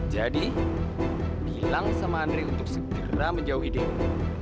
jadi bilang sama andre untuk segera menjauhi dewi